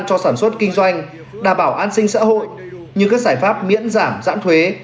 cho sản xuất kinh doanh đảm bảo an sinh xã hội như các giải pháp miễn giảm giãn thuế